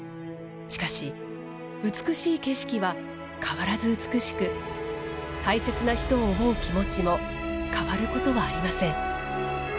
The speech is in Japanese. しかし美しい景色は変わらず美しく大切な人を思う気持ちも変わることはありません。